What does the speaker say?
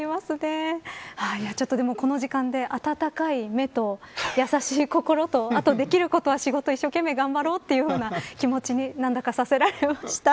この時間で、温かい目とやさしい心とあとできることは仕事、一生懸命頑張ろうというような気持ちに何だか、させられました。